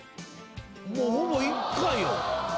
もうほぼ１回よ。